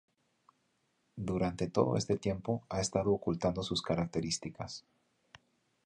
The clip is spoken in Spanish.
Durante todo este tiempo ha estado ocultando sus características.